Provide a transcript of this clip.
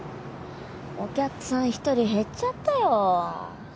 お客さん一人減っちゃったよ。